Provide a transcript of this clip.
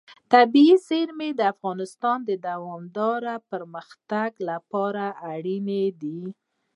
طبیعي زیرمې د افغانستان د دوامداره پرمختګ لپاره اړین دي.